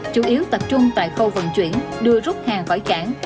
chủ yếu tập trung tại khâu vận chuyển đưa rút hàng khỏi cảng